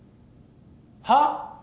はっ？